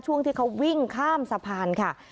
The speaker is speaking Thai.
ช่วงที่เขาวิ่งข้ามสะพานค่ะ